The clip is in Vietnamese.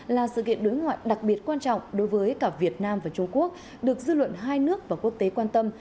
là sự kiện đối ngoại đặc biệt quan trọng đối với cả việt nam và trung quốc được dư luận hai nước và quốc tế quan tâm